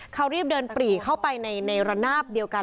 เขารีบเดินปรีเข้าไปในระนาบเดียวกัน